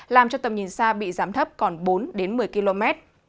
làm cho tầm nhìn xa bị giảm thấp còn bốn đến một mươi km